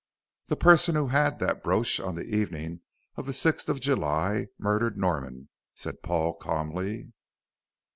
"The person who had that brooch on the evening of the sixth of July murdered Norman," said Paul, calmly.